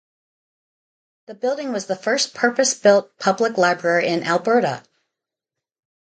The building was the first purpose-built public library in Alberta.